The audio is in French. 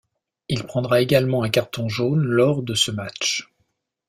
Il prendra également un carton jaune lors de ce match.